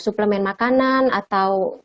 suplemen makanan atau